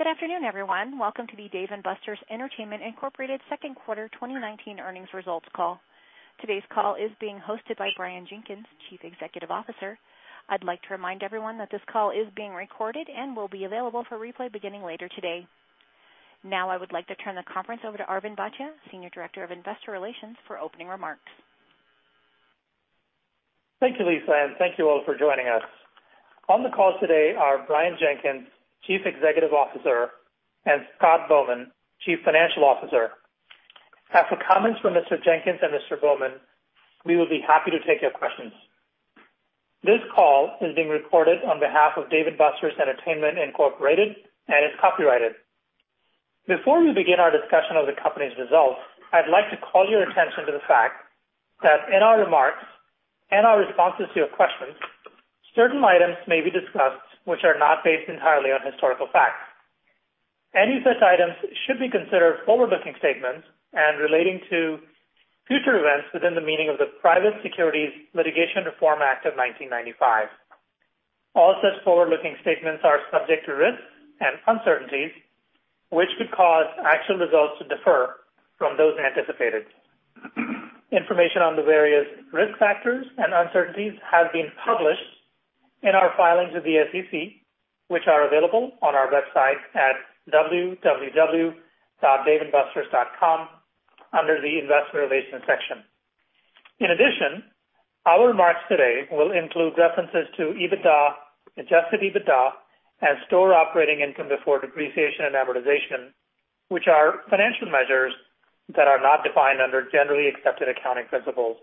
Good afternoon, everyone. Welcome to the Dave & Buster's Entertainment, Inc. Second Quarter 2019 Earnings Results call. Today's call is being hosted by Brian Jenkins, Chief Executive Officer. I'd like to remind everyone that this call is being recorded and will be available for replay beginning later today. I would like to turn the conference over to Arvind Bhatia, Senior Director of Investor Relations, for opening remarks. Thank you, Lisa, and thank you all for joining us. On the call today are Brian Jenkins, Chief Executive Officer, and Scott Bowman, Chief Financial Officer. After comments from Mr. Jenkins and Mr. Bowman, we will be happy to take your questions. This call is being recorded on behalf of Dave & Buster's Entertainment, Inc. and is copyrighted. Before we begin our discussion of the company's results, I'd like to call your attention to the fact that in our remarks and our responses to your questions, certain items may be discussed which are not based entirely on historical facts. Any such items should be considered forward-looking statements and relating to future events within the meaning of the Private Securities Litigation Reform Act of 1995. All such forward-looking statements are subject to risks and uncertainties, which could cause actual results to differ from those anticipated. Information on the various risk factors and uncertainties has been published in our filings with the SEC, which are available on our website at www.daveandbusters.com under the investor relations section. In addition, our remarks today will include references to EBITDA, adjusted EBITDA, and store operating income before depreciation and amortization, which are financial measures that are not defined under generally accepted accounting principles.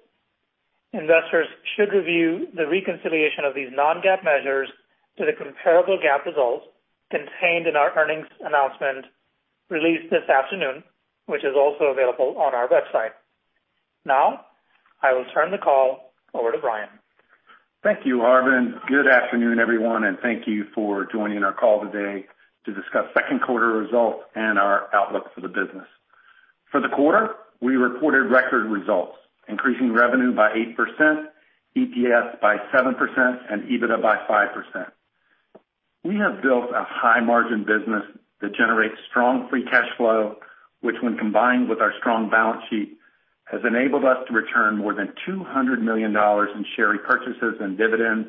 Investors should review the reconciliation of these non-GAAP measures to the comparable GAAP results contained in our earnings announcement released this afternoon, which is also available on our website. Now, I will turn the call over to Brian. Thank you, Arvind. Good afternoon, everyone, and thank you for joining our call today to discuss second quarter results and our outlook for the business. For the quarter, we reported record results, increasing revenue by 8%, EPS by 7%, and EBITDA by 5%. We have built a high-margin business that generates strong free cash flow, which when combined with our strong balance sheet, has enabled us to return more than $200 million in share repurchases and dividends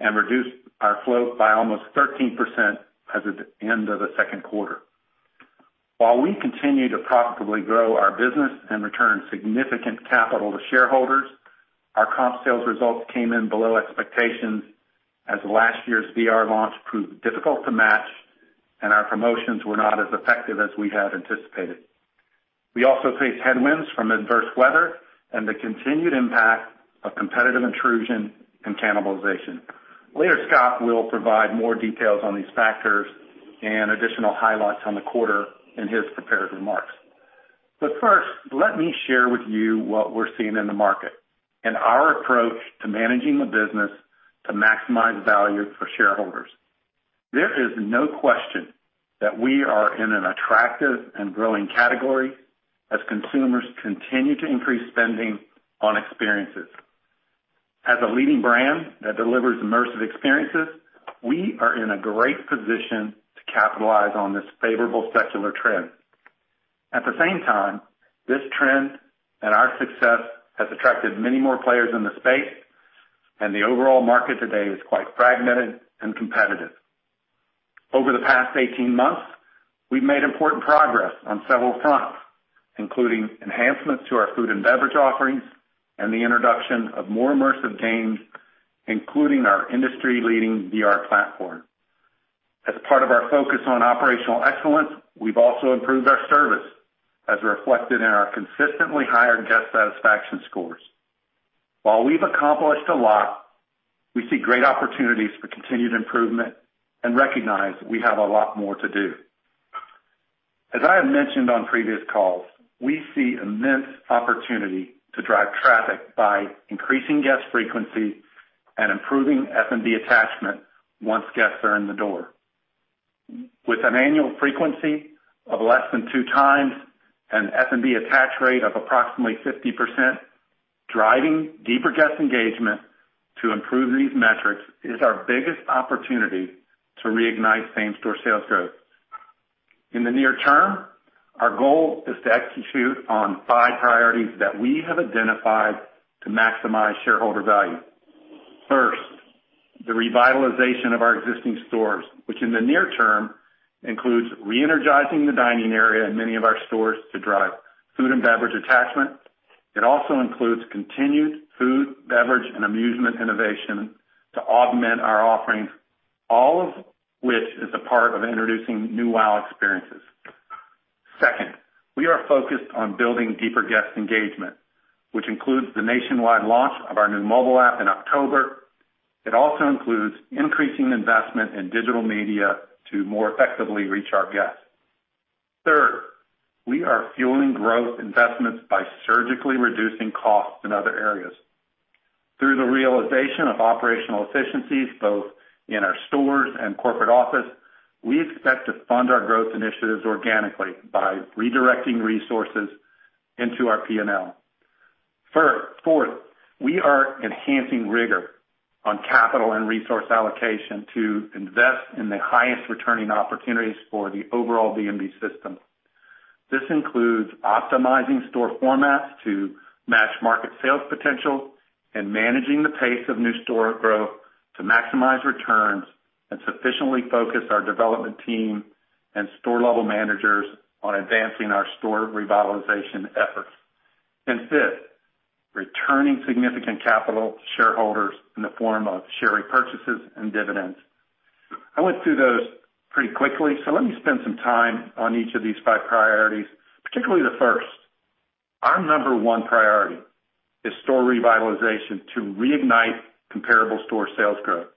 and reduce our float by almost 13% as of the end of the second quarter. While we continue to profitably grow our business and return significant capital to shareholders, our comp sales results came in below expectations as last year's VR launch proved difficult to match, and our promotions were not as effective as we had anticipated. We also faced headwinds from adverse weather and the continued impact of competitive intrusion and cannibalization. Later, Scott will provide more details on these factors and additional highlights on the quarter in his prepared remarks. First, let me share with you what we're seeing in the market and our approach to managing the business to maximize value for shareholders. There is no question that we are in an attractive and growing category as consumers continue to increase spending on experiences. As a leading brand that delivers immersive experiences, we are in a great position to capitalize on this favorable secular trend. At the same time, this trend and our success has attracted many more players in the space, and the overall market today is quite fragmented and competitive. Over the past 18 months, we've made important progress on several fronts, including enhancements to our food and beverage offerings and the introduction of more immersive games, including our industry-leading VR platform. As part of our focus on operational excellence, we've also improved our service, as reflected in our consistently higher guest satisfaction scores. While we've accomplished a lot, we see great opportunities for continued improvement and recognize we have a lot more to do. As I have mentioned on previous calls, we see immense opportunity to drive traffic by increasing guest frequency and improving F&B attachment once guests are in the door. With an annual frequency of less than two times and F&B attach rate of approximately 50%, driving deeper guest engagement to improve these metrics is our biggest opportunity to reignite same-store sales growth. In the near term, our goal is to execute on five priorities that we have identified to maximize shareholder value. First, the revitalization of our existing stores, which in the near term includes re-energizing the dining area in many of our stores to drive food and beverage attachment. It also includes continued food, beverage, and amusement innovation to augment our offerings, all of which is a part of introducing new wow experiences. Second, we are focused on building deeper guest engagement, which includes the nationwide launch of our new mobile app in October. It also includes increasing investment in digital media to more effectively reach our guests. Third, we are fueling growth investments by surgically reducing costs in other areas. Through the realization of operational efficiencies, both in our stores and corporate office, we expect to fund our growth initiatives organically by redirecting resources into our P&L. Fourth, we are enhancing rigor on capital and resource allocation to invest in the highest returning opportunities for the overall D&B system. This includes optimizing store formats to match market sales potential and managing the pace of new store growth to maximize returns and sufficiently focus our development team and store-level managers on advancing our store revitalization efforts. Fifth, returning significant capital to shareholders in the form of share repurchases and dividends. I went through those pretty quickly, so let me spend some time on each of these five priorities, particularly the first. Our number one priority is store revitalization to reignite comparable store sales growth.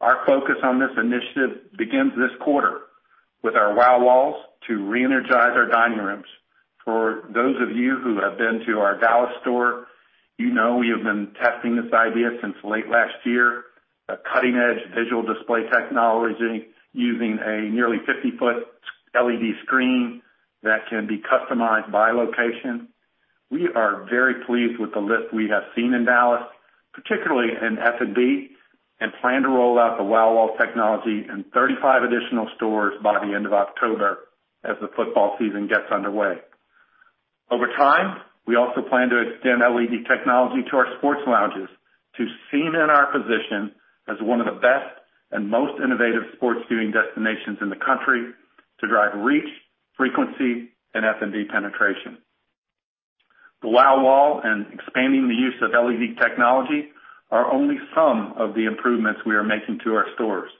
Our focus on this initiative begins this quarter with our Wow Walls to reenergize our dining rooms. For those of you who have been to our Dallas store, you know we have been testing this idea since late last year, a cutting-edge visual display technology using a nearly 50-foot LED screen that can be customized by location. We are very pleased with the lift we have seen in Dallas, particularly in F&B, and plan to roll out the Wow Wall technology in 35 additional stores by the end of October as the football season gets underway. Over time, we also plan to extend LED technology to our sports lounges to cement our position as one of the best and most innovative sports viewing destinations in the country to drive reach, frequency, and F&B penetration. The Wow Wall and expanding the use of LED technology are only some of the improvements we are making to our stores.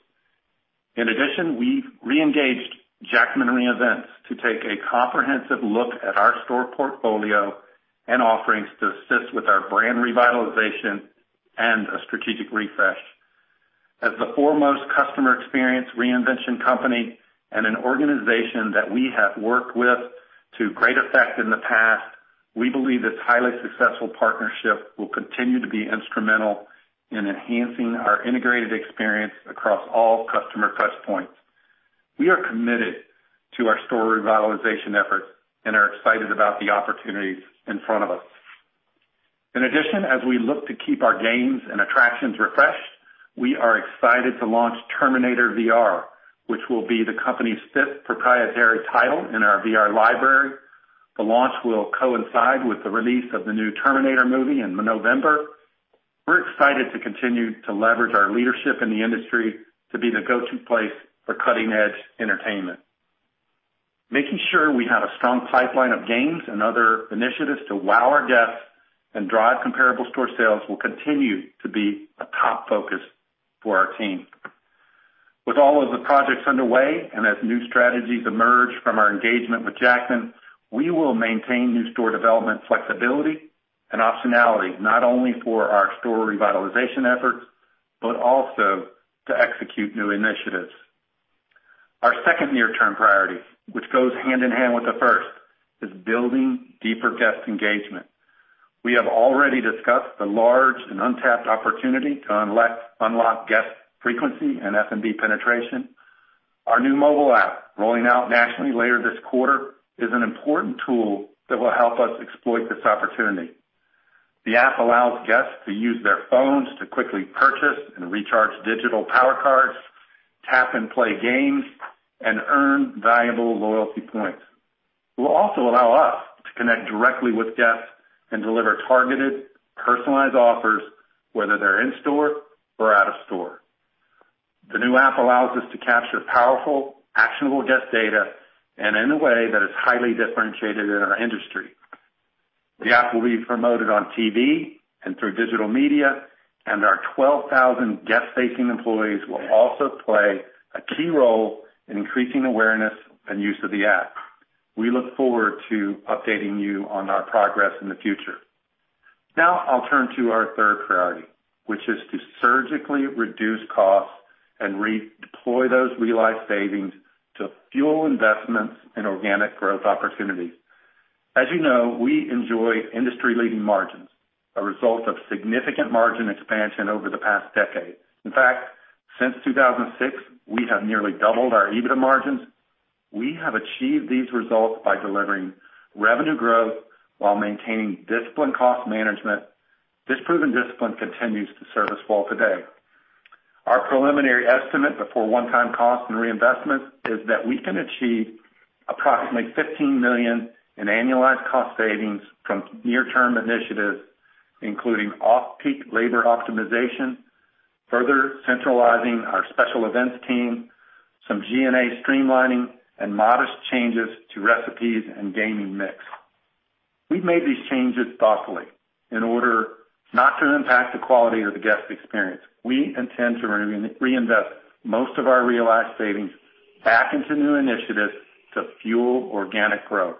In addition, we've re-engaged Jackman Reinvents to take a comprehensive look at our store portfolio and offerings to assist with our brand revitalization and a strategic refresh. As the foremost customer experience reinvention company and an organization that we have worked with to great effect in the past, we believe this highly successful partnership will continue to be instrumental in enhancing our integrated experience across all customer touch points. We are committed to our store revitalization efforts and are excited about the opportunities in front of us. In addition, as we look to keep our games and attractions refreshed, we are excited to launch Terminator VR, which will be the company's fifth proprietary title in our VR library. The launch will coincide with the release of the new Terminator movie in November. We're excited to continue to leverage our leadership in the industry to be the go-to place for cutting-edge entertainment. Making sure we have a strong pipeline of games and other initiatives to wow our guests and drive comparable store sales will continue to be a top focus for our team. With all of the projects underway and as new strategies emerge from our engagement with Jackman, we will maintain new store development flexibility and optionality, not only for our store revitalization efforts, but also to execute new initiatives. Our second near-term priority, which goes hand in hand with the first, is building deeper guest engagement. We have already discussed the large and untapped opportunity to unlock guest frequency and F&B penetration. Our new mobile app, rolling out nationally later this quarter, is an important tool that will help us exploit this opportunity. The app allows guests to use their phones to quickly purchase and recharge digital Power Cards, tap and play games, and earn valuable loyalty points. It will also allow us to connect directly with guests and deliver targeted, personalized offers, whether they're in store or out of store. The new app allows us to capture powerful, actionable guest data and in a way that is highly differentiated in our industry. The app will be promoted on TV and through digital media, and our 12,000 guest-facing employees will also play a key role in increasing awareness and use of the app. We look forward to updating you on our progress in the future. Now, I'll turn to our third priority, which is to surgically reduce costs and deploy those realized savings to fuel investments in organic growth opportunities. As you know, we enjoy industry-leading margins, a result of significant margin expansion over the past decade. In fact, since 2006, we have nearly doubled our EBITDA margins. We have achieved these results by delivering revenue growth while maintaining disciplined cost management. This proven discipline continues to serve us well today. Our preliminary estimate before one-time cost and reinvestment is that we can achieve approximately $15 million in annualized cost savings from near-term initiatives, including off-peak labor optimization, further centralizing our special events team, some G&A streamlining, and modest changes to recipes and gaming mix. We've made these changes thoughtfully in order not to impact the quality or the guest experience. We intend to reinvest most of our realized savings back into new initiatives to fuel organic growth.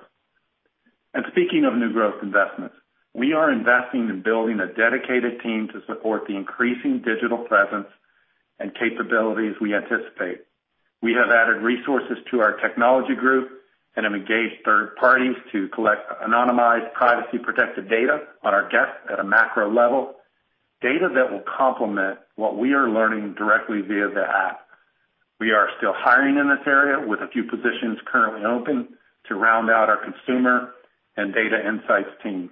Speaking of new growth investments, we are investing in building a dedicated team to support the increasing digital presence and capabilities we anticipate. We have added resources to our technology group and have engaged third parties to collect anonymized, privacy-protected data on our guests at a macro level, data that will complement what we are learning directly via the app. We are still hiring in this area with a few positions currently open to round out our consumer and data insights team.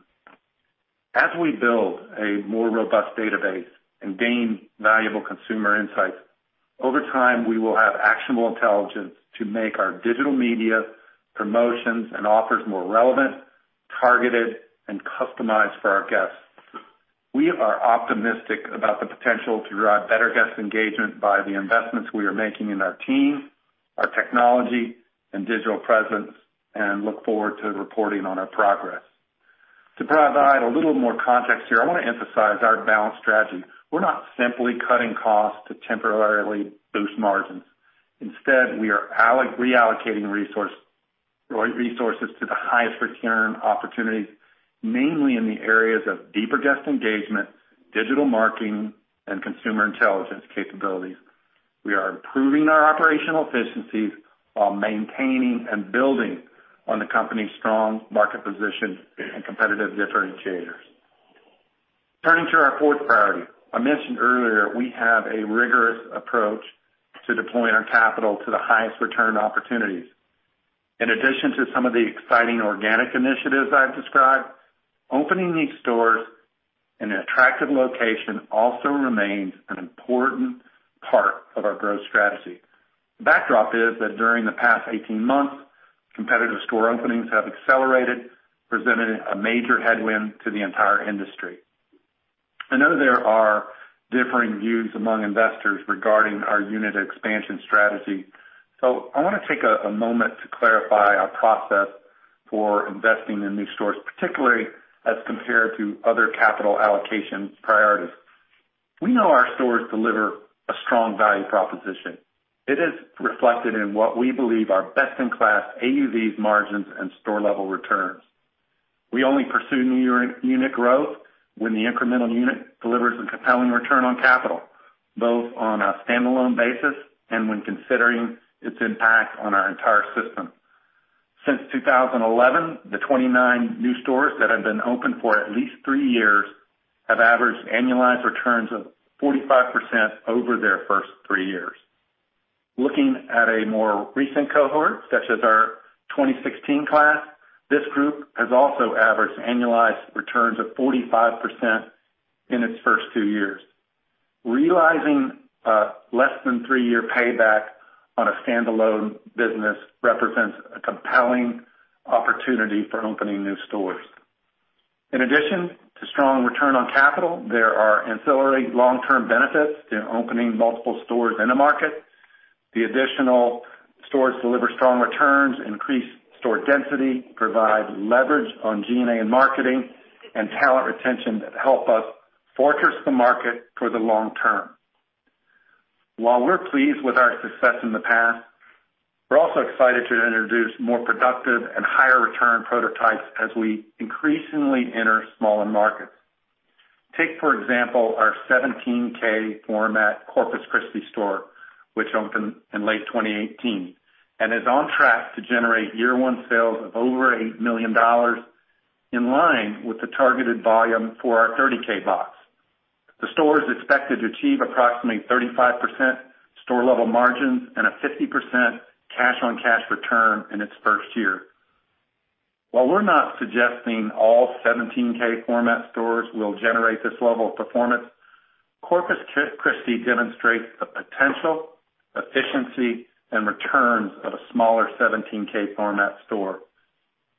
As we build a more robust database and gain valuable consumer insights, over time, we will have actionable intelligence to make our digital media, promotions, and offers more relevant, targeted, and customized for our guests. We are optimistic about the potential to drive better guest engagement by the investments we are making in our team, our technology, and digital presence, and look forward to reporting on our progress. To provide a little more context here, I want to emphasize our balanced strategy. We're not simply cutting costs to temporarily boost margins. Instead, we are reallocating resources to the highest return opportunities, mainly in the areas of deeper guest engagement, digital marketing, and consumer intelligence capabilities. We are improving our operational efficiencies while maintaining and building on the company's strong market position and competitive differentiators. Turning to our fourth priority. I mentioned earlier, we have a rigorous approach to deploying our capital to the highest return opportunities. In addition to some of the exciting organic initiatives I've described, opening new stores in an attractive location also remains an important part of our growth strategy. The backdrop is that during the past 18 months, competitive store openings have accelerated, presenting a major headwind to the entire industry. I know there are differing views among investors regarding our unit expansion strategy, so I want to take a moment to clarify our process for investing in new stores, particularly as compared to other capital allocation priorities. We know our stores deliver a strong value proposition. It is reflected in what we believe are best-in-class AUVs, margins, and store-level returns. We only pursue new unit growth when the incremental unit delivers a compelling return on capital, both on a standalone basis and when considering its impact on our entire system. Since 2011, the 29 new stores that have been open for at least three years have averaged annualized returns of 45% over their first three years. Looking at a more recent cohort, such as our 2016 class, this group has also averaged annualized returns of 45% in its first two years. Realizing a less than three-year payback on a standalone business represents a compelling opportunity for opening new stores. In addition to strong return on capital, there are ancillary long-term benefits to opening multiple stores in a market. The additional stores deliver strong returns, increase store density, provide leverage on G&A and marketing and talent retention that help us fortress the market for the long term. While we're pleased with our success in the past, we're also excited to introduce more productive and higher return prototypes as we increasingly enter smaller markets. Take, for example, our 17K format Corpus Christi store, which opened in late 2018 and is on track to generate year-one sales of over $8 million, in line with the targeted volume for our 30K box. The store is expected to achieve approximately 35% store-level margins and a 50% cash-on-cash return in its first year. While we're not suggesting all 17K format stores will generate this level of performance, Corpus Christi demonstrates the potential, efficiency, and returns of a smaller 17K format store.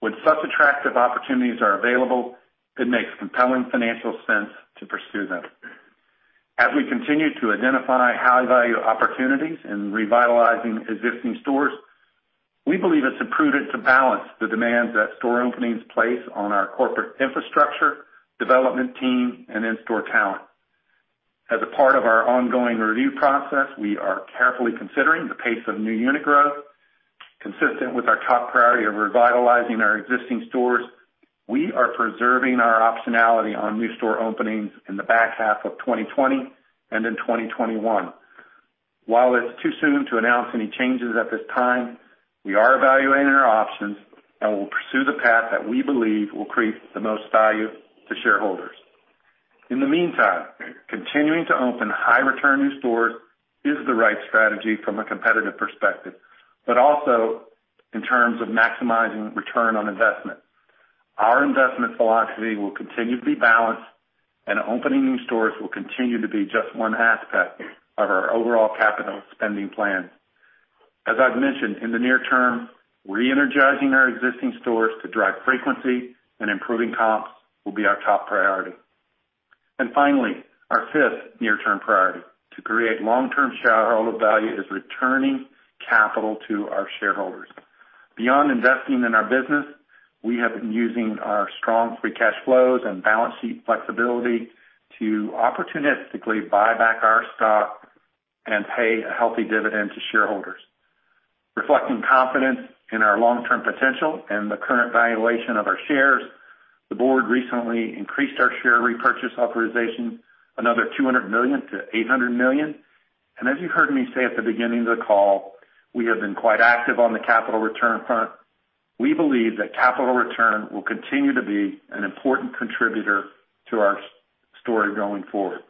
When such attractive opportunities are available, it makes compelling financial sense to pursue them. As we continue to identify high-value opportunities in revitalizing existing stores, we believe it's prudent to balance the demands that store openings place on our corporate infrastructure, development team, and in-store talent. As a part of our ongoing review process, we are carefully considering the pace of new unit growth. Consistent with our top priority of revitalizing our existing stores, we are preserving our optionality on new store openings in the back half of 2020 and in 2021. While it's too soon to announce any changes at this time, we are evaluating our options and will pursue the path that we believe will create the most value to shareholders. In the meantime, continuing to open high-return new stores is the right strategy from a competitive perspective but also in terms of maximizing Return on Investment. Our investment velocity will continue to be balanced, and opening new stores will continue to be just one aspect of our overall capital spending plan. As I've mentioned, in the near term, reenergizing our existing stores to drive frequency and improving comps will be our top priority. Finally, our fifth near-term priority to create long-term shareholder value is returning capital to our shareholders. Beyond investing in our business, we have been using our strong free cash flows and balance sheet flexibility to opportunistically buy back our stock and pay a healthy dividend to shareholders. Reflecting confidence in our long-term potential and the current valuation of our shares, the board recently increased our share repurchase authorization another $200 million to $800 million. As you heard me say at the beginning of the call, we have been quite active on the capital return front. We believe that capital return will continue to be an important contributor to our story going forward.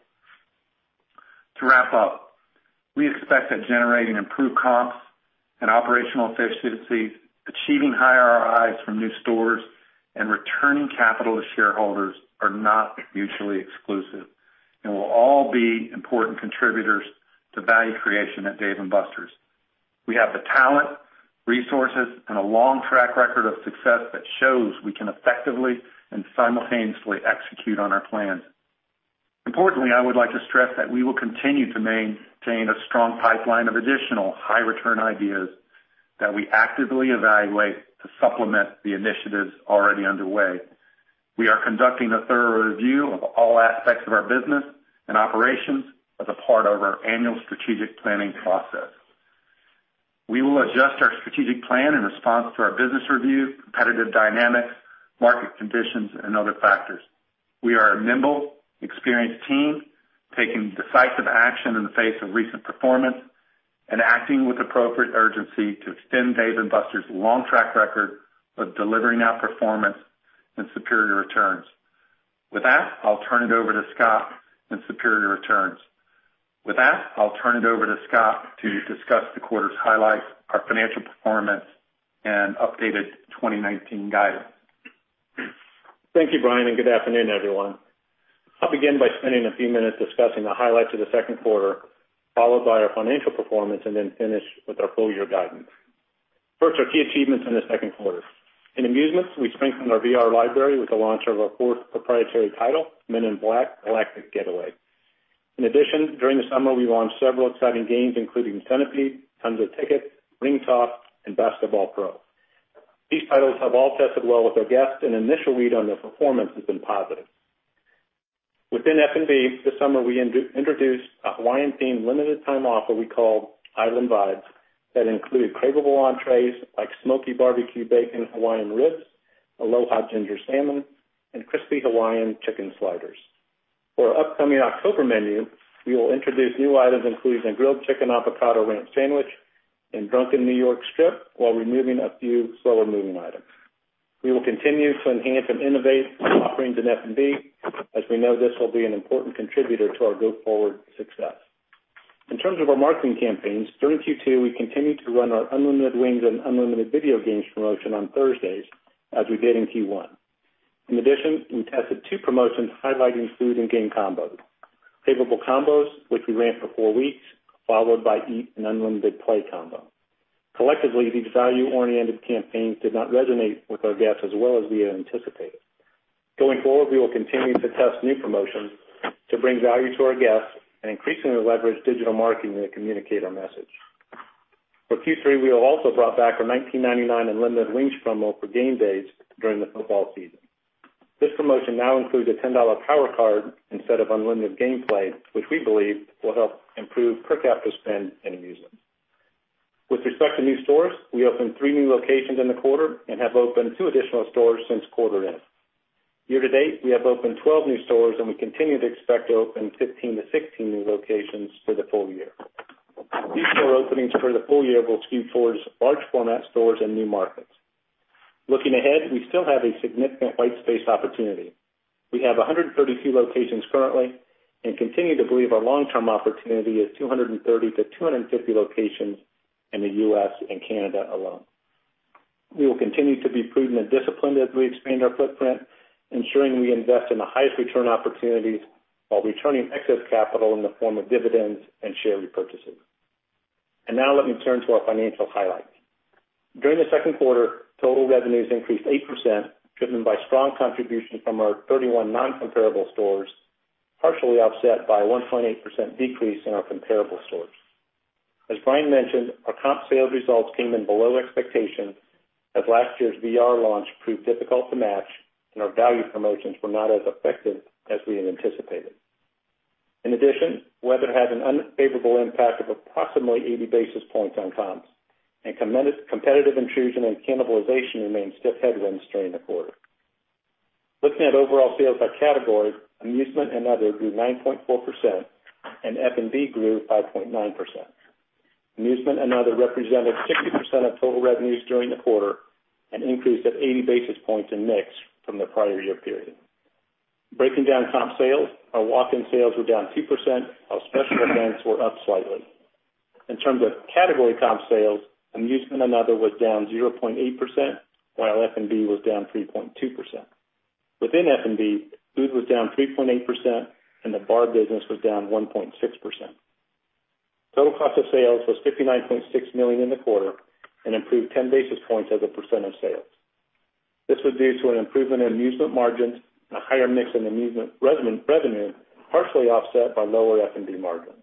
To wrap up, we expect that generating improved comps and operational efficiencies, achieving higher ROIs from new stores, and returning capital to shareholders are not mutually exclusive and will all be important contributors to value creation at Dave & Buster's. We have the talent, resources, and a long track record of success that shows we can effectively and simultaneously execute on our plans. Importantly, I would like to stress that we will continue to maintain a strong pipeline of additional high-return ideas that we actively evaluate to supplement the initiatives already underway. We are conducting a thorough review of all aspects of our business and operations as a part of our annual strategic planning process. We will adjust our strategic plan in response to our business review, competitive dynamics, market conditions, and other factors. We are a nimble, experienced team, taking decisive action in the face of recent performance and acting with appropriate urgency to extend Dave & Buster's long track record of delivering outperformance and superior returns. With that, I'll turn it over to Scott to discuss the quarter's highlights, our financial performance, and updated 2019 guidance. Thank you, Brian. Good afternoon, everyone. I'll begin by spending a few minutes discussing the highlights of the second quarter, followed by our financial performance, and then finish with our full-year guidance. First, our key achievements in the second quarter. In amusements, we strengthened our VR library with the launch of our fourth proprietary title, "Men in Black: Galactic Getaway." In addition, during the summer, we launched several exciting games, including Centipede, Tons of Tickets, Ring Toss, and Basketball Pro. These titles have all tested well with our guests, and initial read on their performance has been positive. Within F&B this summer, we introduced a Hawaiian-themed limited time offer we call Island Vibes that included craveable entrees like smoky barbecue bacon Hawaiian ribs, aloha ginger salmon, and crispy Hawaiian chicken sliders. For our upcoming October menu, we will introduce new items including a grilled chicken avocado ranch sandwich and drunken New York strip while removing a few slower-moving items. We will continue to enhance and innovate offerings in F&B as we know this will be an important contributor to our go-forward success. In terms of our marketing campaigns, during Q2, we continued to run our unlimited wings and unlimited video games promotion on Thursdays, as we did in Q1. In addition, we tested two promotions highlighting food and game combos, savable combos, which we ran for four weeks, followed by eat and unlimited play combo. Collectively, these value-oriented campaigns did not resonate with our guests as well as we had anticipated. Going forward, we will continue to test new promotions to bring value to our guests and increasingly leverage digital marketing to communicate our message. For Q3, we have also brought back our $19.99 unlimited wings promo for game days during the football season. This promotion now includes a $10 Power Card instead of unlimited gameplay, which we believe will help improve per capita spend and amusement. With respect to new stores, we opened three new locations in the quarter and have opened two additional stores since quarter end. Year to date, we have opened 12 new stores, and we continue to expect to open 15-16 new locations for the full year. These store openings for the full year will skew towards large format stores and new markets. Looking ahead, we still have a significant white space opportunity. We have 132 locations currently and continue to believe our long-term opportunity is 230-250 locations in the U.S. and Canada alone. We will continue to be prudent and disciplined as we expand our footprint, ensuring we invest in the highest Return on Investment opportunities while returning excess capital in the form of dividends and share repurchases. Now let me turn to our financial highlights. During the second quarter, total revenues increased 8%, driven by strong contribution from our 31 non-comparable stores, partially offset by a 1.8% decrease in our comparable stores. As Brian mentioned, our comp sales results came in below expectations as last year's VR launch proved difficult to match, and our value promotions were not as effective as we had anticipated. In addition, weather had an unfavorable impact of approximately 80 basis points on comps and competitive intrusion and cannibalization remained stiff headwinds during the quarter. Looking at overall sales by category, amusement and other grew 9.4%, and F&B grew 5.9%. Amusement and other represented 60% of total revenues during the quarter, an increase of 80 basis points in mix from the prior year period. Breaking down comp sales, our walk-in sales were down 2%, while special events were up slightly. In terms of category comp sales, amusement and other was down 0.8%, while F&B was down 3.2%. Within F&B, food was down 3.8%, and the bar business was down 1.6%. Total cost of sales was $59.6 million in the quarter and improved 10 basis points as a % of sales. This was due to an improvement in amusement margins and a higher mix in amusement revenue, partially offset by lower F&B margins.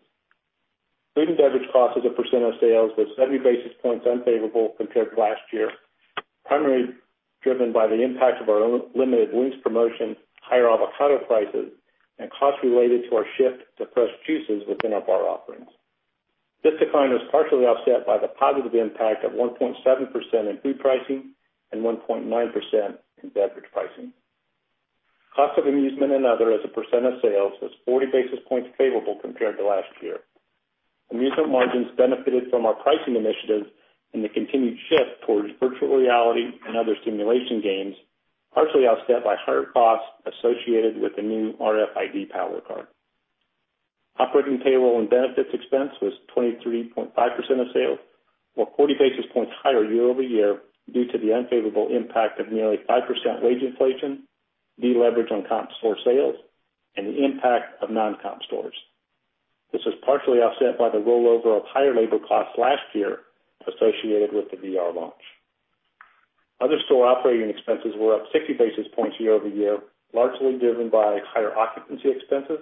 Food and beverage cost as a percent of sales was 70 basis points unfavorable compared to last year, primarily driven by the impact of our unlimited wings promotion, higher avocado prices, and costs related to our shift to fresh juices within our bar offerings. This decline was partially offset by the positive impact of 1.7% in food pricing and 1.9% in beverage pricing. Cost of amusement and other as a percent of sales was 40 basis points favorable compared to last year. Amusement margins benefited from our pricing initiatives and the continued shift towards virtual reality and other simulation games, partially offset by higher costs associated with the new RFID Power Card. Operating payroll and benefits expense was 23.5% of sales, or 40 basis points higher year-over-year due to the unfavorable impact of nearly 5% wage inflation, deleverage on comp store sales, and the impact of non-comp stores. This was partially offset by the rollover of higher labor costs last year associated with the VR launch. Other store operating expenses were up 60 basis points year-over-year, largely driven by higher occupancy expenses,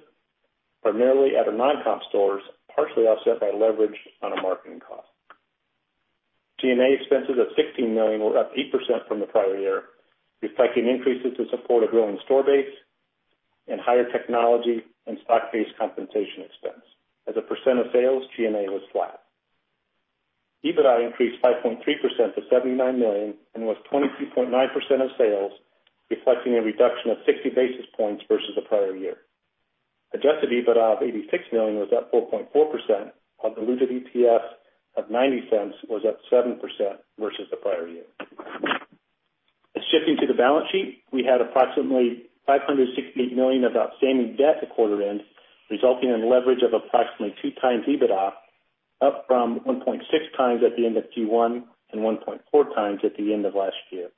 primarily at the non-comp stores, partially offset by leverage on our marketing costs. G&A expenses of $16 million were up 8% from the prior year, reflecting increases to support a growing store base and higher technology and stock-based compensation expense. As a % of sales, G&A was flat. EBITDA increased 5.3% to $79 million and was 23.9% of sales, reflecting a reduction of 60 basis points versus the prior year. Adjusted EBITDA of $86 million was up 4.4%, while diluted EPS of $0.90 was up 7% versus the prior year. Shifting to the balance sheet, we had approximately $568 million of outstanding debt at quarter end, resulting in leverage of approximately 2 times EBITDA, up from 1.6 times at the end of Q1 and 1.4 times at the end of last year.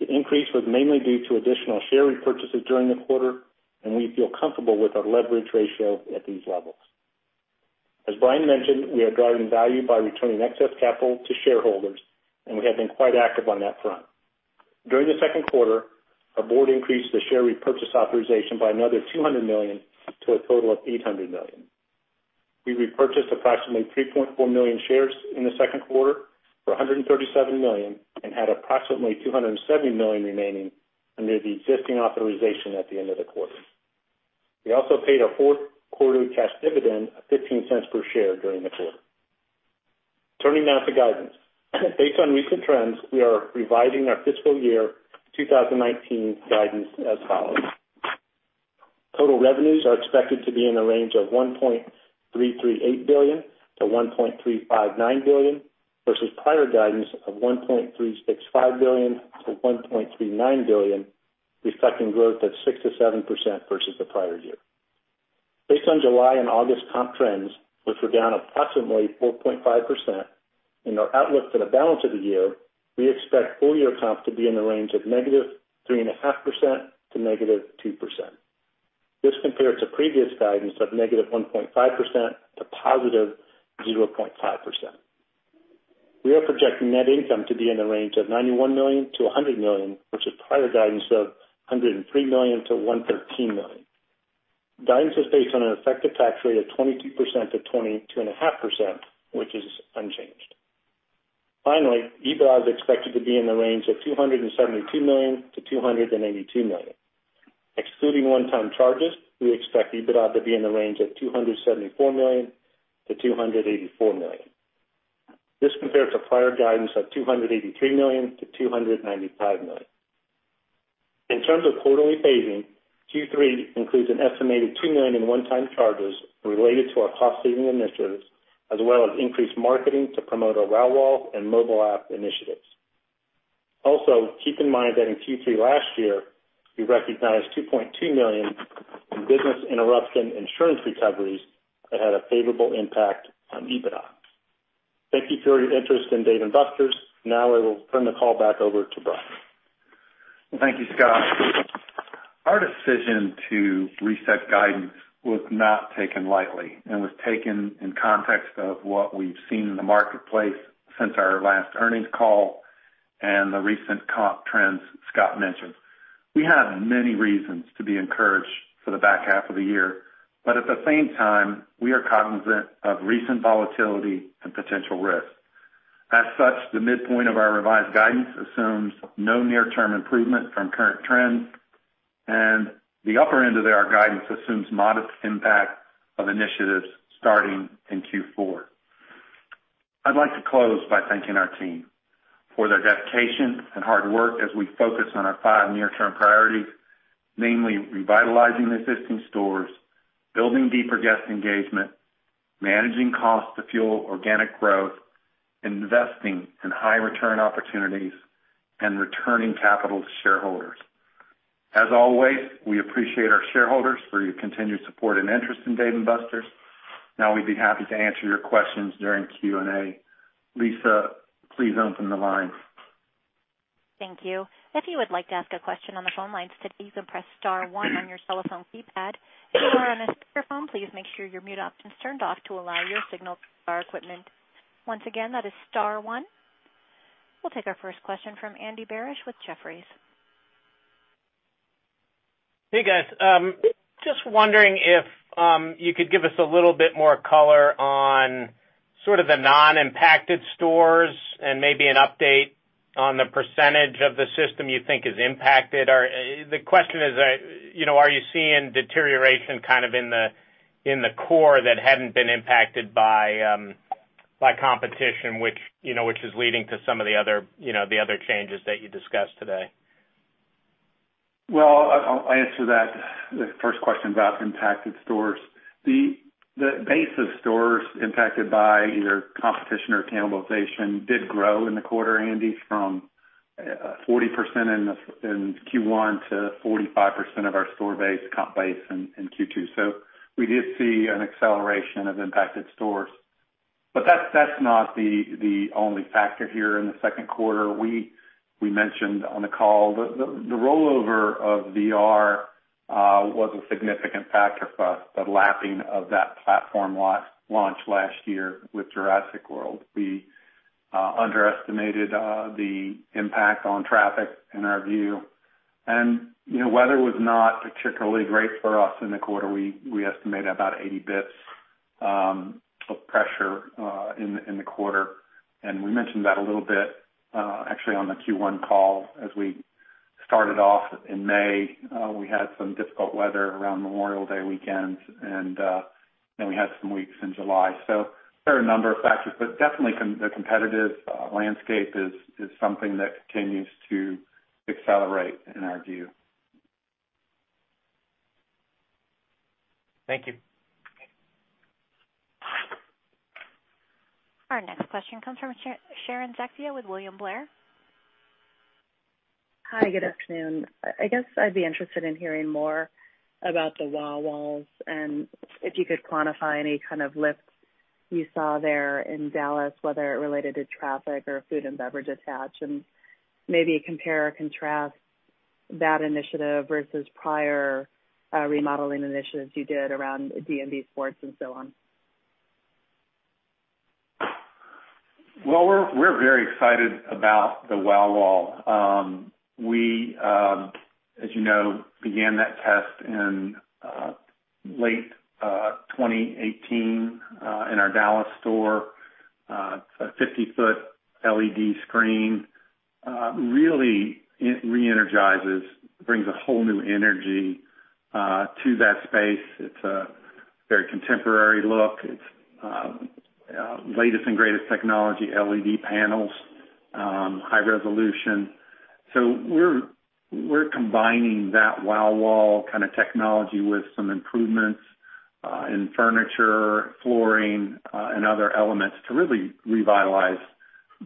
The increase was mainly due to additional share repurchases during the quarter, and we feel comfortable with our leverage ratio at these levels. As Brian mentioned, we are driving value by returning excess capital to shareholders, and we have been quite active on that front. During the second quarter, our board increased the share repurchase authorization by another $200 million to a total of $800 million. We repurchased approximately 3.4 million shares in the second quarter for $137 million and had approximately $270 million remaining under the existing authorization at the end of the quarter. We also paid our fourth quarter cash dividend of $0.15 per share during the quarter. Turning now to guidance. Based on recent trends, we are revising our fiscal year 2019 guidance as follows. Total revenues are expected to be in the range of $1.338 billion-$1.359 billion, versus prior guidance of $1.365 billion-$1.39 billion, reflecting growth of 6%-7% versus the prior year. Based on July and August comp trends, which were down approximately 4.5%, and our outlook for the balance of the year, we expect full-year comps to be in the range of -3.5% to -2%. This compares to previous guidance of -1.5% to +0.5%. We are projecting net income to be in the range of $91 million-$100 million, versus prior guidance of $103 million-$113 million. Guidance was based on an effective tax rate of 22%-22.5%, which is unchanged. Finally, EBITDA is expected to be in the range of $272 million-$282 million. Excluding one-time charges, we expect EBITDA to be in the range of $274 million-$284 million. This compares to prior guidance of $283 million-$295 million. In terms of quarterly phasing, Q3 includes an estimated $2 million in one-time charges related to our cost-saving initiatives, as well as increased marketing to promote our Wow Wall and mobile app initiatives. Keep in mind that in Q3 last year, we recognized $2.2 million in business interruption insurance recoveries that had a favorable impact on EBITDA. Thank you for your interest in Dave & Buster's. I will turn the call back over to Brian. Well, thank you, Scott. Our decision to reset guidance was not taken lightly and was taken in context of what we've seen in the marketplace since our last earnings call and the recent comp trends Scott mentioned. We have many reasons to be encouraged for the back half of the year. At the same time, we are cognizant of recent volatility and potential risks. As such, the midpoint of our revised guidance assumes no near-term improvement from current trends, and the upper end of our guidance assumes modest impact of initiatives starting in Q4. I'd like to close by thanking our team for their dedication and hard work as we focus on our five near-term priorities, namely revitalizing existing stores, building deeper guest engagement, managing costs to fuel organic growth, investing in high-return opportunities, and returning capital to shareholders. As always, we appreciate our shareholders for your continued support and interest in Dave & Buster's. We'd be happy to answer your questions during Q&A. Lisa, please open the lines. Thank you. If you would like to ask a question on the phone lines today, you can press star one on your cellphone keypad. If you are on a speakerphone, please make sure your mute option is turned off to allow your signal to our equipment. Once again, that is star one. We'll take our first question from Andy Barish with Jefferies. Hey, guys. Just wondering if you could give us a little bit more color on sort of the non-impacted stores and maybe an update on the % of the system you think is impacted. The question is, are you seeing deterioration kind of in the core that hadn't been impacted by competition, which is leading to some of the other changes that you discussed today. Well, I'll answer that. The first question about impacted stores. The base of stores impacted by either competition or cannibalization did grow in the quarter, Andy, from 40% in Q1 to 45% of our store base, comp base in Q2. That's not the only factor here in the second quarter. We mentioned on the call, the rollover of VR was a significant factor for us, the lapping of that platform launch last year with "Jurassic World." We underestimated the impact on traffic in our view. Weather was not particularly great for us in the quarter. We estimate about 80 basis points of pressure in the quarter. We mentioned that a little bit actually on the Q1 call as we started off in May. We had some difficult weather around Memorial Day weekend, and then we had some weeks in July. There are a number of factors, but definitely the competitive landscape is something that continues to accelerate in our view. Thank you. Our next question comes from Sharon Zackfia with William Blair. Hi, good afternoon. I guess I'd be interested in hearing more about the Wow Walls and if you could quantify any kind of lifts you saw there in Dallas, whether it related to traffic or food and beverage attach, and maybe compare or contrast that initiative versus prior remodeling initiatives you did around D&D, sports, and so on. We're very excited about the Wow Wall. We, as you know, began that test in late 2018, in our Dallas store. It's a 50-foot LED screen. Really re-energizes, brings a whole new energy to that space. It's a very contemporary look. It's latest and greatest technology, LED panels, high resolution. We're combining that Wow Wall technology with some improvements in furniture, flooring, and other elements to really revitalize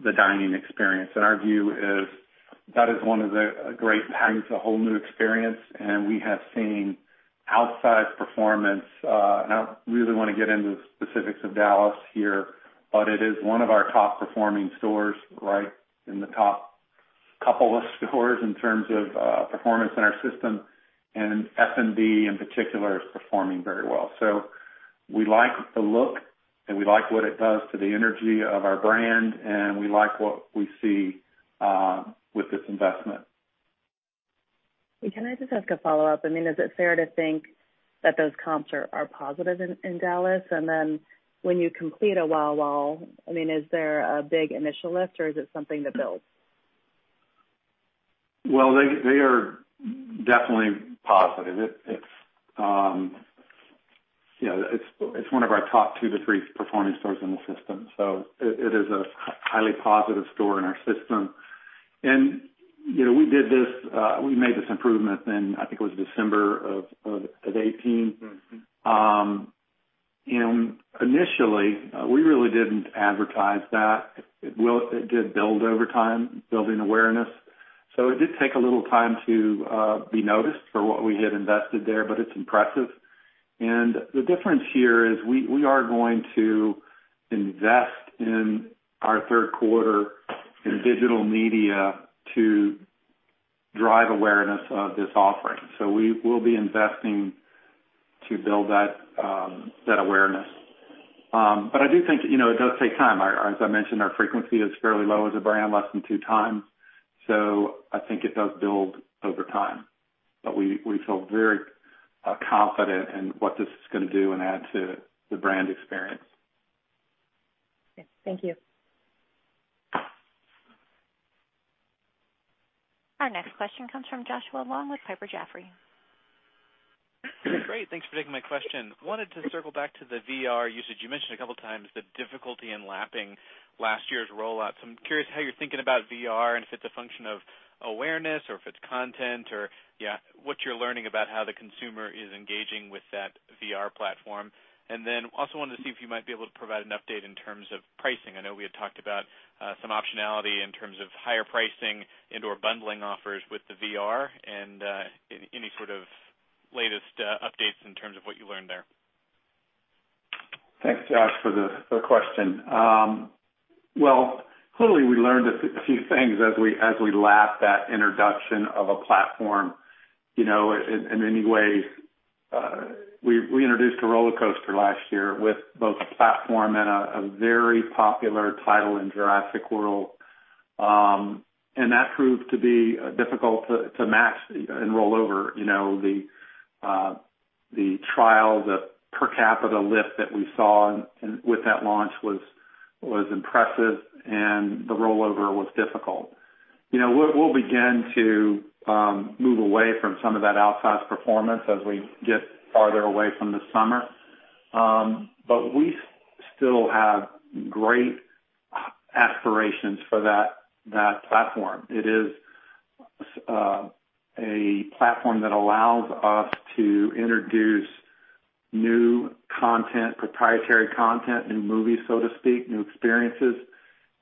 the dining experience. Our view is that is one of the great things, a whole new experience, and we have seen outsized performance. I don't really want to get into the specifics of Dallas here, but it is one of our top-performing stores, right in the top couple of stores in terms of performance in our system, and F&B in particular is performing very well. We like the look, and we like what it does to the energy of our brand, and we like what we see with this investment. Can I just ask a follow-up? Is it fair to think that those comps are positive in Dallas? When you complete a Wow Wall, is there a big initial lift or is it something that builds? Well, they are definitely positive. It's one of our top two to three performing stores in the system. It is a highly positive store in our system. We made this improvement in, I think it was December of 2018. Initially, we really didn't advertise that. It did build over time, building awareness. It did take a little time to be noticed for what we had invested there, but it's impressive. The difference here is we are going to invest in our third quarter in digital media to drive awareness of this offering. We will be investing to build that awareness. I do think it does take time. As I mentioned, our frequency is fairly low as a brand, less than two times. I think it does build over time, but we feel very confident in what this is going to do and add to the brand experience. Okay. Thank you. Our next question comes from Joshua Long with Piper Sandler. Great. Thanks for taking my question. Wanted to circle back to the VR usage. You mentioned a couple of times the difficulty in lapping last year's rollout. I'm curious how you're thinking about VR and if it's a function of awareness or if it's content or yeah, what you're learning about how the consumer is engaging with that VR platform. Also wanted to see if you might be able to provide an update in terms of pricing. I know we had talked about some optionality in terms of higher pricing and/or bundling offers with the VR and any sort of latest updates in terms of what you learned there. Thanks, Josh, for the question. Well, clearly, we learned a few things as we lap that introduction of a platform. In many ways, we introduced a roller coaster last year with both a platform and a very popular title in "Jurassic World." That proved to be difficult to match and roll over. The trial, the per capita lift that we saw with that launch was impressive and the rollover was difficult. We'll begin to move away from some of that outsized performance as we get farther away from the summer. We still have great aspirations for that platform. It is a platform that allows us to introduce new content, proprietary content, new movies, so to speak, new experiences.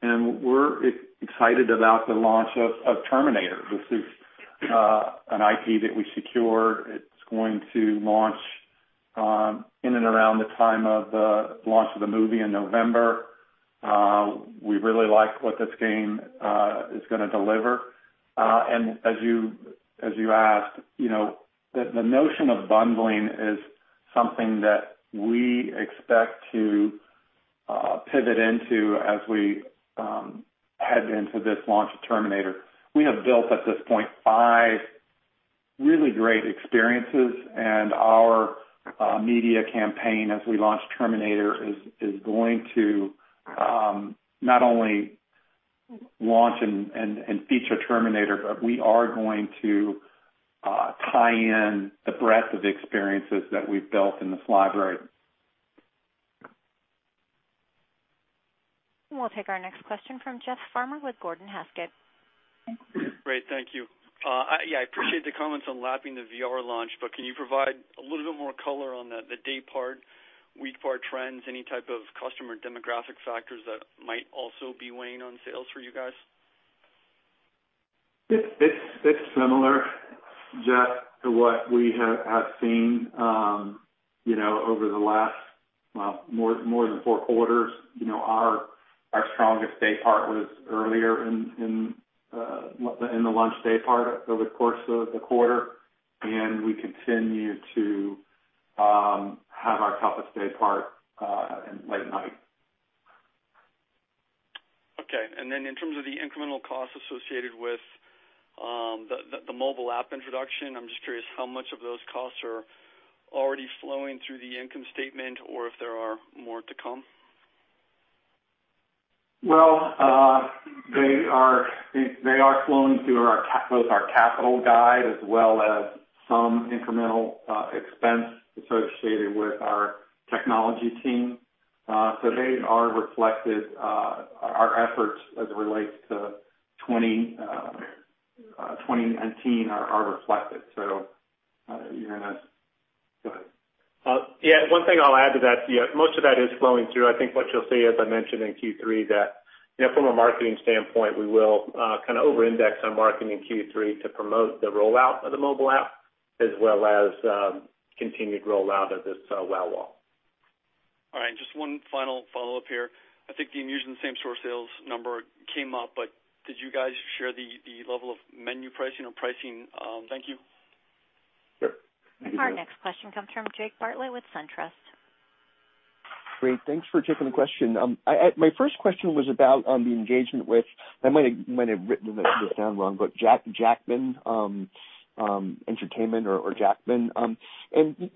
We're excited about the launch of "Terminator." This is an IP that we secured. It's going to launch in and around the time of the launch of the movie in November. We really like what this game is going to deliver. As you asked, the notion of bundling is something that we expect to pivot into as we head into this launch of "Terminator." We have built, at this point, five really great experiences. Our media campaign as we launch "Terminator" is going to not only launch and feature "Terminator," but we are going to tie in the breadth of experiences that we've built in this library. We'll take our next question from Jeff Farmer with Gordon Haskett. Great. Thank you. Yeah, I appreciate the comments on lapping the VR launch, but can you provide a little bit more color on the daypart, weekpart trends, any type of customer demographic factors that might also be weighing on sales for you guys? It's similar, Jeff, to what we have seen over the last more than four quarters. Our strongest daypart was earlier in the launch daypart over the course of the quarter, and we continue to have our toughest daypart in late night. Okay. Then in terms of the incremental costs associated with the mobile app introduction, I'm just curious how much of those costs are already flowing through the income statement or if there are more to come. Well, they are flowing through both our capital guide as well as some incremental expense associated with our technology team. They are reflected. Our efforts as it relates to 2019 are reflected. Go ahead. One thing I'll add to that, most of that is flowing through. I think what you'll see, as I mentioned in Q3, that from a marketing standpoint, we will kind of over-index on marketing in Q3 to promote the rollout of the mobile app, as well as continued rollout of this WOW Wall. All right. Just one final follow-up here. I think the same-store sales number came up, did you guys share the level of menu pricing or pricing? Thank you. Sure. Our next question comes from Jake Bartlett with SunTrust. Great. Thanks for taking the question. My first question was about the engagement with, I might have written this down wrong, but Jackman Reinvents or Jackman. I think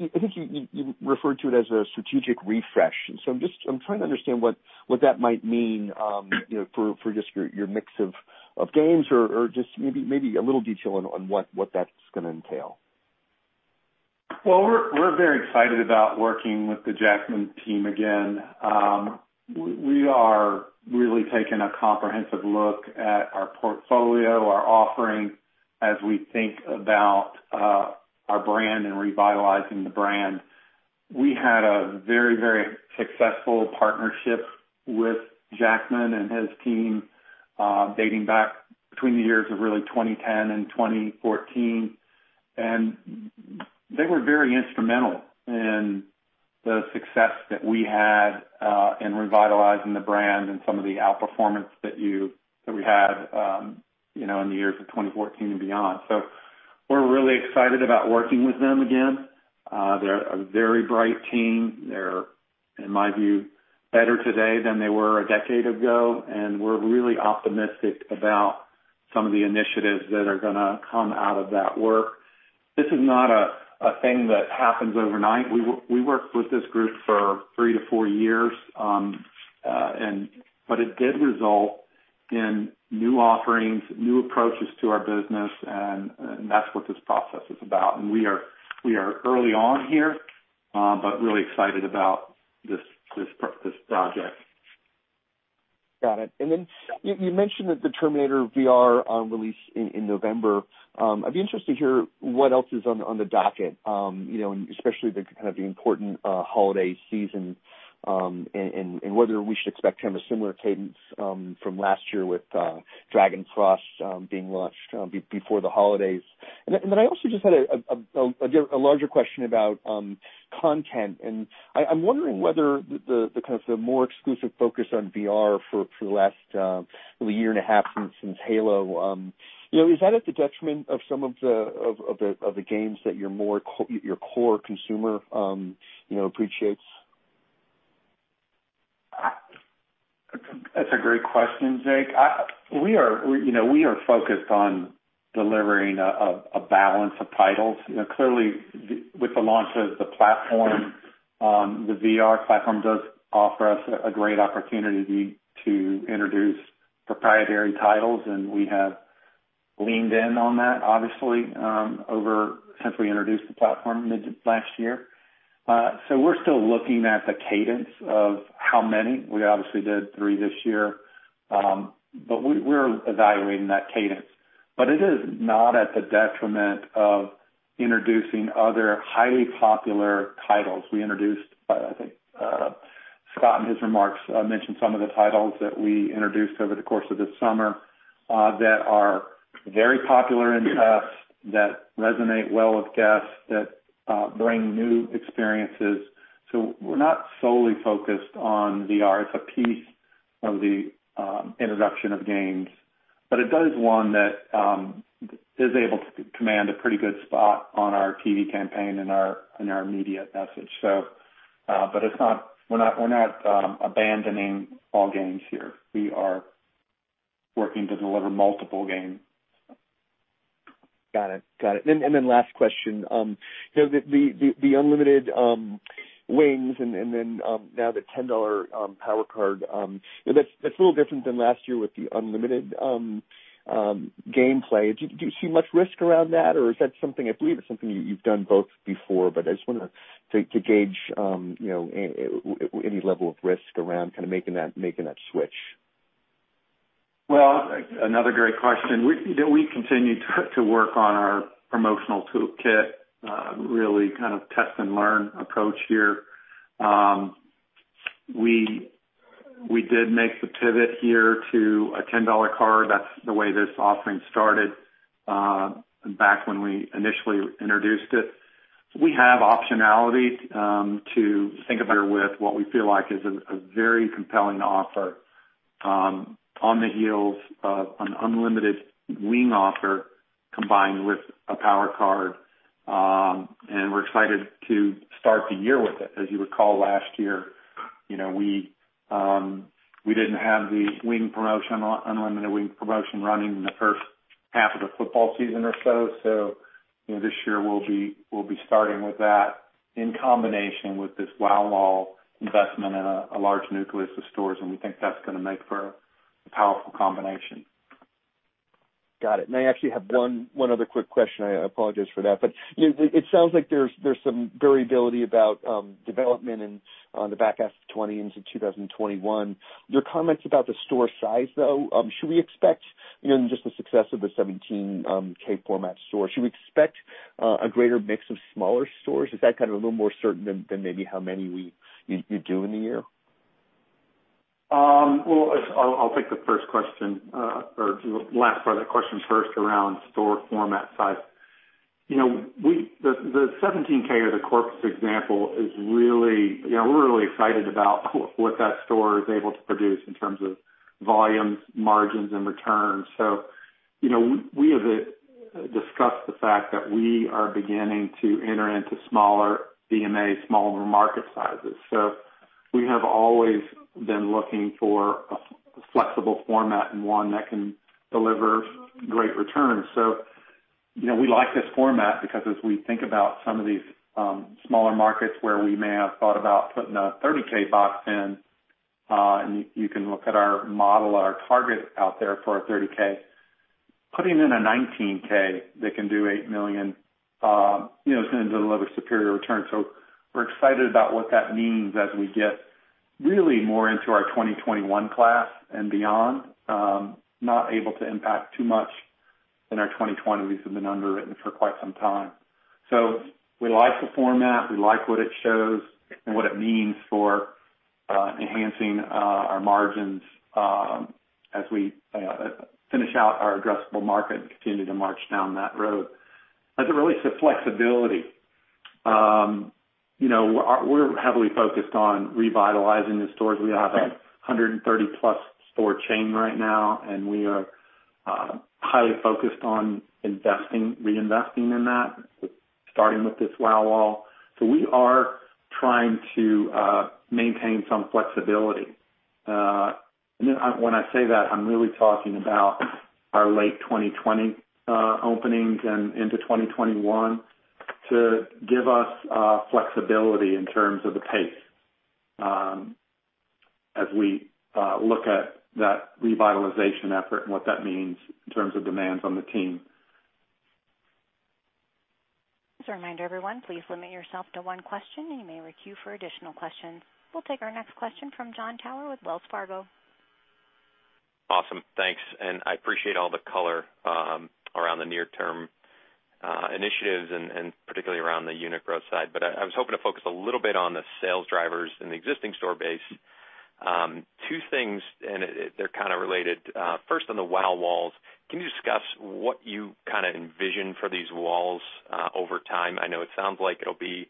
you referred to it as a strategic refresh. I'm trying to understand what that might mean for just your mix of games or just maybe a little detail on what that's going to entail. Well, we're very excited about working with the Jackman team again. We are really taking a comprehensive look at our portfolio, our offering, as we think about our brand and revitalizing the brand. We had a very successful partnership with Jackman and his team dating back between the years of really 2010 and 2014. They were very instrumental in the success that we had in revitalizing the brand and some of the outperformance that we had in the years of 2014 and beyond. We're really excited about working with them again. They're a very bright team. They're, in my view, better today than they were a decade ago, and we're really optimistic about some of the initiatives that are going to come out of that work. This is not a thing that happens overnight. We worked with this group for three to four years, but it did result in new offerings, new approaches to our business, and that's what this process is about. We are early on here, but really excited about this project. Got it. Then you mentioned that the Terminator VR release in November. I'd be interested to hear what else is on the docket, especially the kind of the important holiday season, and whether we should expect kind of a similar cadence from last year with Dragon Frost being launched before the holidays. Then I also just had a larger question about content, and I'm wondering whether the kind of the more exclusive focus on VR for the last year and a half since Halo, is that at the detriment of some of the games that your core consumer appreciates? That's a great question, Jake. We are focused on delivering a balance of titles. With the launch of the platform, the VR platform does offer us a great opportunity to introduce proprietary titles, and we have leaned in on that, obviously, since we introduced the platform mid last year. We're still looking at the cadence of how many. We obviously did three this year. We're evaluating that cadence. It is not at the detriment of introducing other highly popular titles. We introduced, I think Scott, in his remarks, mentioned some of the titles that we introduced over the course of this summer that are very popular in tests, that resonate well with guests, that bring new experiences. We're not solely focused on VR. It's a piece of the introduction of games. It does one that is able to command a pretty good spot on our TV campaign and our media message. We're not abandoning all games here. We are working to deliver multiple games. Got it. Last question. The unlimited wings and then now the $10 Power Card, that's a little different than last year with the unlimited gameplay. Do you see much risk around that? Is that something, I believe it's something you've done both before, but I just wanted to gauge any level of risk around kind of making that switch. Another great question. We continue to work on our promotional toolkit, really kind of test and learn approach here. We did make the pivot here to a $10 card. That's the way this offering started back when we initially introduced it. We have optionality to think about or with what we feel like is a very compelling offer on the heels of an unlimited wing offer combined with a Power Card, and we're excited to start the year with it. As you recall, last year, we didn't have the unlimited wing promotion running in the first half of the football season or so. This year, we'll be starting with that in combination with this Wow Wall investment in a large nucleus of stores, and we think that's going to make for a powerful combination. Got it. I actually have one other quick question. I apologize for that. It sounds like there's some variability about development on the back half of 2020 into 2021. Your comments about the store size, though, should we expect, just the success of the 17K format store, should we expect a greater mix of smaller stores? Is that kind of a little more certain than maybe how many you do in a year? I'll take the first question, or last part of the question first around store format size. The 17K or the Corpus example, we're really excited about what that store is able to produce in terms of volumes, margins, and returns. We have discussed the fact that we are beginning to enter into smaller DMAs, smaller market sizes. We have always been looking for a flexible format and one that can deliver great returns. We like this format because as we think about some of these smaller markets where we may have thought about putting a 30K box in, and you can look at our model, our target out there for a 30K. Putting in a 19K that can do $8 million, it's going to deliver superior returns. We're excited about what that means as we get really more into our 2021 class and beyond. Not able to impact too much in our 2020s. We've been underwritten for quite some time. We like the format. We like what it shows and what it means for enhancing our margins as we finish out our addressable market and continue to march down that road. As it relates to flexibility, we're heavily focused on revitalizing the stores. We have 130-plus store chain right now, and we are highly focused on reinvesting in that, starting with this Wow Wall. We are trying to maintain some flexibility. When I say that, I'm really talking about our late 2020 openings and into 2021 to give us flexibility in terms of the pace as we look at that revitalization effort and what that means in terms of demands on the team. Just a reminder, everyone, please limit yourself to one question, and you may queue for additional questions. We will take our next question from Jon Tower with Wells Fargo. Awesome. Thanks. I appreciate all the color around the near-term initiatives and particularly around the unit growth side. I was hoping to focus a little bit on the sales drivers in the existing store base. Two things, and they're kind of related. First, on the Wow Walls, can you discuss what you kind of envision for these walls over time? I know it sounds like it'll be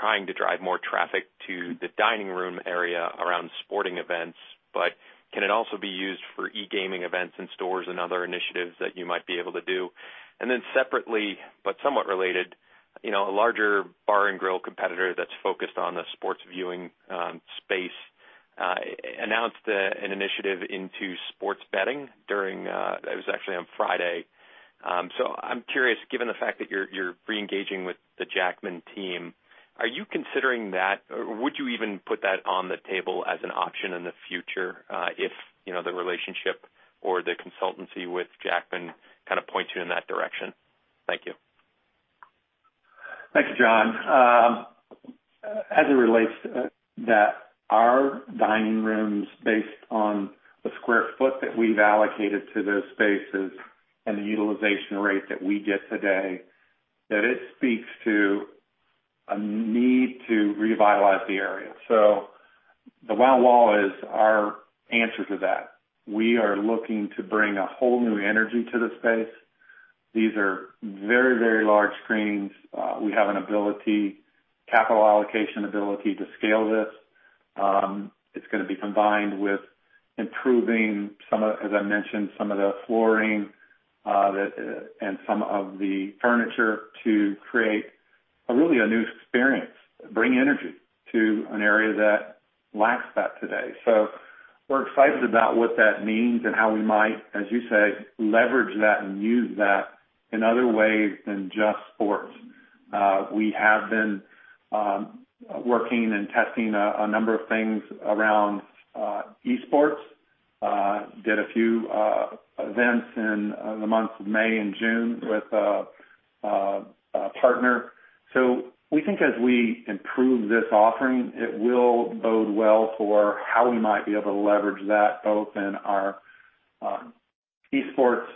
trying to drive more traffic to the dining room area around sporting events, but can it also be used for e-gaming events in stores and other initiatives that you might be able to do? Separately, but somewhat related, a larger bar and grill competitor that's focused on the sports viewing space. Announced an initiative into sports betting, that was actually on Friday. I'm curious, given the fact that you're re-engaging with the Jackman team, are you considering that, or would you even put that on the table as an option in the future, if the relationship or the consultancy with Jackman kind of points you in that direction? Thank you. Thanks, Jon. As it relates to that, our dining rooms, based on the square foot that we've allocated to those spaces and the utilization rate that we get today, that it speaks to a need to revitalize the area. The Wow Wall is our answer to that. We are looking to bring a whole new energy to the space. These are very large screens. We have an capital allocation ability to scale this. It's going to be combined with improving, as I mentioned, some of the flooring, and some of the furniture to create really a new experience, bring energy to an area that lacks that today. We're excited about what that means and how we might, as you say, leverage that and use that in other ways than just sports. We have been working and testing a number of things around e-sports. Did a few events in the months of May and June with a partner. We think as we improve this offering, it will bode well for how we might be able to leverage that, both in our e-sports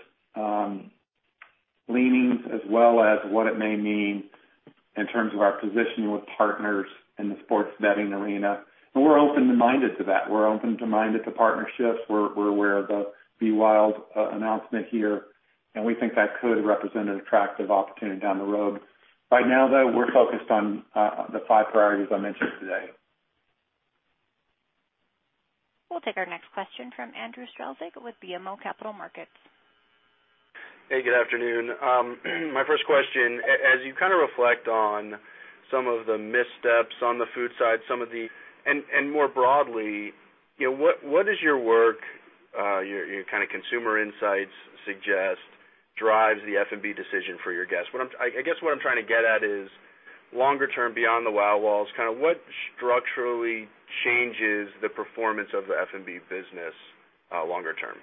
leanings as well as what it may mean in terms of our position with partners in the sports betting arena. We're open-minded to that. We're open-minded to partnerships. We're aware of the [BetWild] announcement here, and we think that could represent an attractive opportunity down the road. Right now, though, we're focused on the five priorities I mentioned today. We'll take our next question from Andrew Strelzik with BMO Capital Markets. Hey, good afternoon. My first question, as you kind of reflect on some of the missteps on the food side, more broadly, what does your work, your kind of consumer insights suggest drives the F&B decision for your guests? I guess what I'm trying to get at is longer term beyond the Wow Walls, what structurally changes the performance of the F&B business longer term?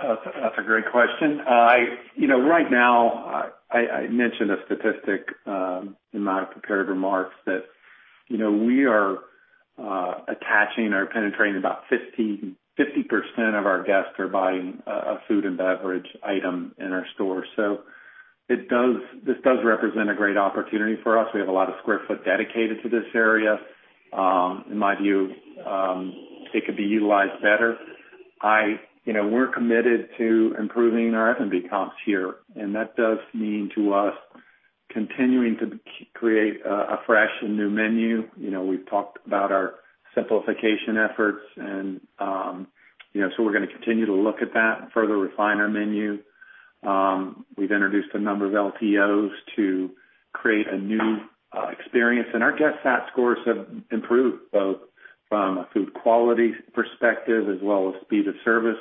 That's a great question. Right now, I mentioned a statistic in my prepared remarks that we are attaching or penetrating about 50% of our guests are buying a food and beverage item in our store. This does represent a great opportunity for us. We have a lot of square foot dedicated to this area. In my view, it could be utilized better. We're committed to improving our F&B comps here, and that does mean to us continuing to create a fresh and new menu. We've talked about our simplification efforts. We're going to continue to look at that and further refine our menu. We've introduced a number of LTOs to create a new experience, and our guest sat scores have improved both from a food quality perspective as well as speed of service.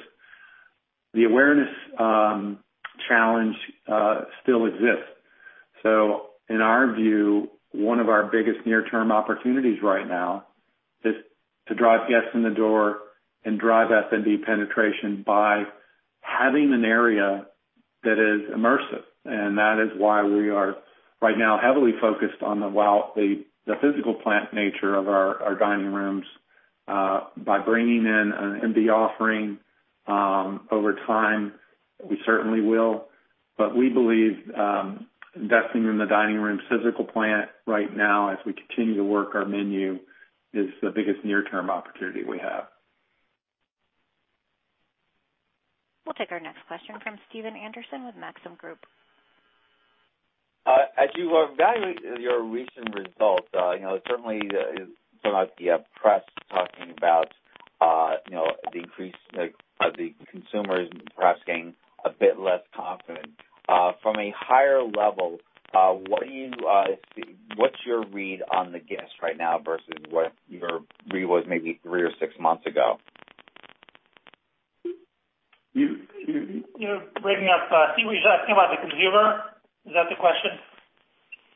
The awareness challenge still exists. In our view, one of our biggest near-term opportunities right now is to drive guests in the door and drive F&B penetration by having an area that is immersive. That is why we are right now heavily focused on the physical plant nature of our dining rooms by bringing in an F&B offering over time, we certainly will. We believe investing in the dining room physical plant right now as we continue to work our menu is the biggest near-term opportunity we have. We'll take our next question from Stephen Anderson with Maxim Group. As you evaluate your recent results, certainly some of the press talking about the increase of the consumers perhaps getting a bit less confident. From a higher level, what's your read on the guest right now versus what your read was maybe three or six months ago? Steve, were you asking about the consumer? Is that the question?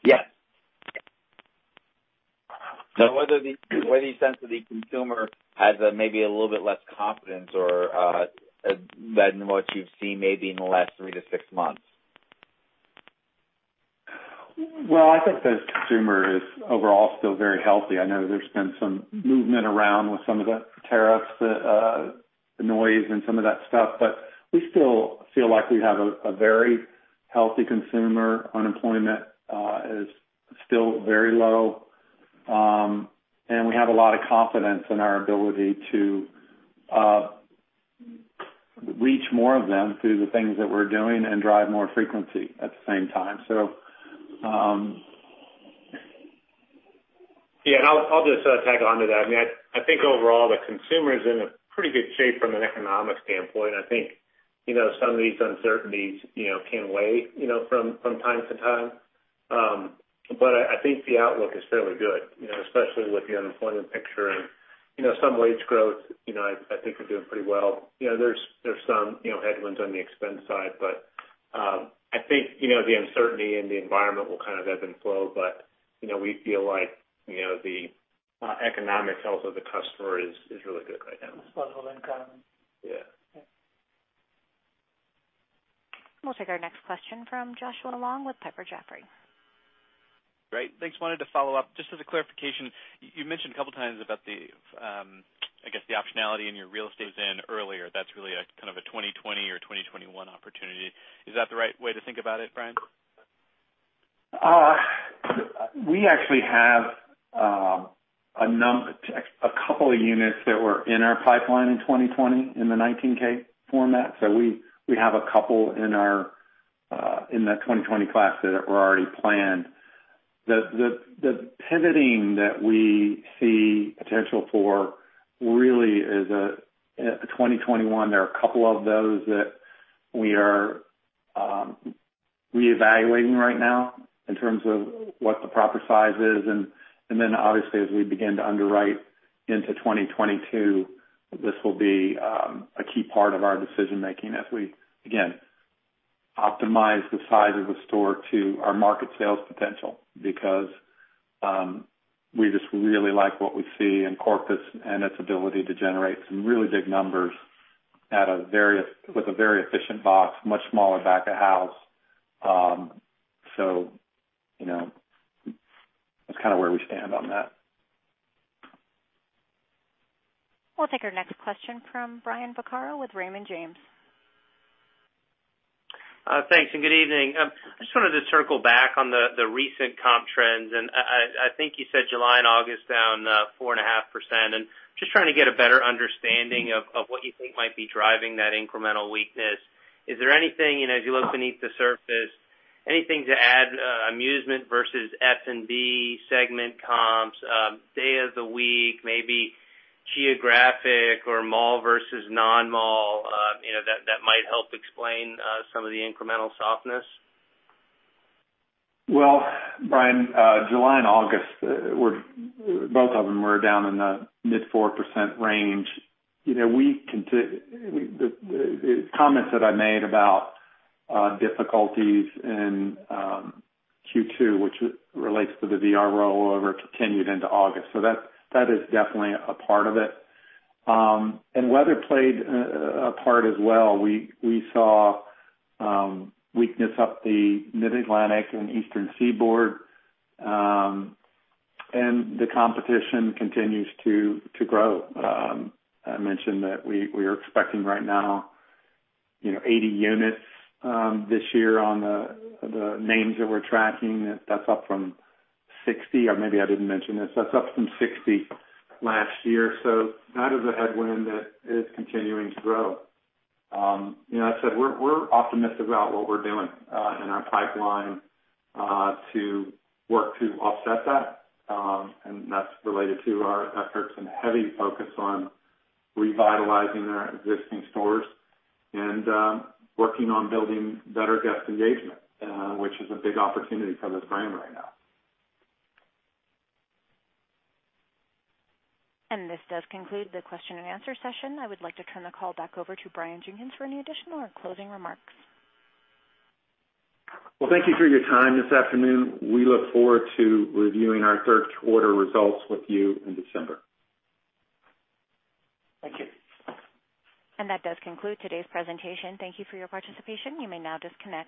Yes. Whether you sense that the consumer has maybe a little bit less confidence or than what you've seen maybe in the last three to six months? Well, I think the consumer is overall still very healthy. I know there's been some movement around with some of the tariffs, the noise and some of that stuff, but we still feel like we have a very healthy consumer. Unemployment is still very low. We have a lot of confidence in our ability to reach more of them through the things that we're doing and drive more frequency at the same time. I'll just tag onto that. I think overall, the consumer is in a pretty good shape from an economic standpoint. I think some of these uncertainties can weigh from time to time. I think the outlook is fairly good, especially with the unemployment picture and some wage growth. I think we're doing pretty well. There's some headwinds on the expense side, but I think, the uncertainty in the environment will kind of ebb and flow. We feel like the economics health of the customer is really good right now. Disposable income. Yeah. Yeah. We'll take our next question from Joshua Long with Piper Sandler. Great. Thanks. Wanted to follow up. Just as a clarification, you mentioned a couple of times about, I guess, the optionality in your real estate then earlier. That's really a kind of a 2020 or 2021 opportunity. Is that the right way to think about it, Brian? We actually have a couple of units that were in our pipeline in 2020 in the 19K format. We have a couple in that 2020 class that were already planned. The pivoting that we see potential for really is at the 2021. There are a couple of those that we are reevaluating right now in terms of what the proper size is, and then obviously as we begin to underwrite into 2022, this will be a key part of our decision making as we, again, optimize the size of the store to our market sales potential because we just really like what we see in Corpus and its ability to generate some really big numbers with a very efficient box, much smaller back of house. That's kind of where we stand on that. We'll take our next question from Brian Vaccaro with Raymond James. Thanks. Good evening. I just wanted to circle back on the recent comp trends. I think you said July and August down 4.5%. Just trying to get a better understanding of what you think might be driving that incremental weakness. Is there anything, as you look beneath the surface, anything to add, amusement versus F&B segment comps, day of the week, maybe geographic or mall versus non-mall, that might help explain some of the incremental softness? Brian, July and August, both of them were down in the mid 4% range. The comments that I made about difficulties in Q2, which relates to the VR role, however, continued into August. That is definitely a part of it. Weather played a part as well. We saw weakness up the Mid-Atlantic and Eastern Seaboard. The competition continues to grow. I mentioned that we are expecting right now 80 units this year on the names that we're tracking. That's up from 60, or maybe I didn't mention this. That's up from 60 last year. That is a headwind that is continuing to grow. Like I said, we're optimistic about what we're doing in our pipeline to work to offset that. That's related to our efforts and heavy focus on revitalizing our existing stores and working on building better guest engagement, which is a big opportunity for this brand right now. This does conclude the question and answer session. I would like to turn the call back over to Brian Jenkins for any additional or closing remarks. Well, thank you for your time this afternoon. We look forward to reviewing our third quarter results with you in December. Thank you. That does conclude today's presentation. Thank you for your participation. You may now disconnect.